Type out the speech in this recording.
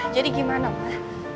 jadi gimana pak